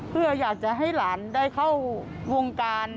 เพื่ออยากจะให้หลานได้เข้าวงการ